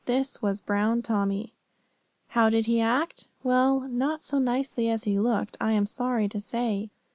This was Brown Tommy. How did he act? Well, not so nicely as he looked, I am sorry to say.